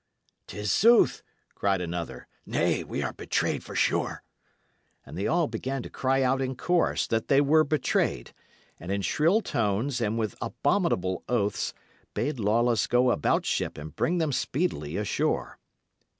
"'Tis sooth," cried another. "Nay, we are betrayed for sure." And they all began to cry out in chorus that they were betrayed, and in shrill tones and with abominable oaths bade Lawless go about ship and bring them speedily ashore.